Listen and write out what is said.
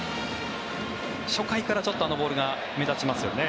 初回からちょっとあのボールが目立ちますよね。